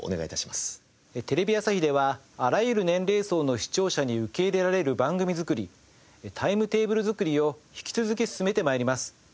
テレビ朝日ではあらゆる年齢層の視聴者に受け入れられる番組作りタイムテーブル作りを引き続き進めて参ります。